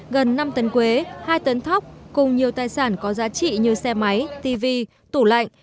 gần năm tấn quế hai tấn thóc cùng nhiều tài sản có giá trị như xe máy tv tủ lạnh